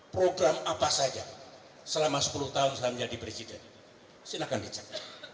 program apa saja selama sepuluh tahun saya menjadi presiden silahkan dicek